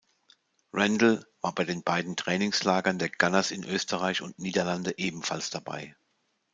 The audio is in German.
Randall war bei den beiden Trainingslagern der Gunners in Österreich und Niederlande ebenfalls dabei.